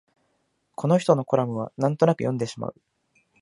この人のコラムはなんとなく読んでしまう